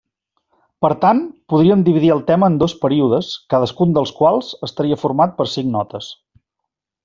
Per tant, podríem dividir el tema en dos períodes, cadascun dels quals estaria format per cinc notes.